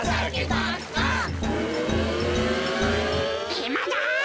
いまだ！